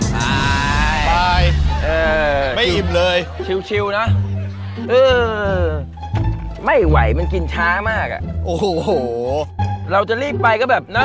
ไปไม่ยิ้มเลยชิวนะไม่ไหวมันกินช้ามากอ่ะโอ้โหเราจะรีบไปก็แบบน่า